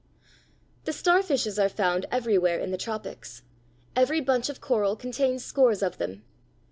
] The starfishes are found everywhere in the tropics. Every bunch of coral contains scores of them.